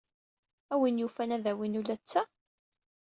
A win yufan, ad tawim ula d ta.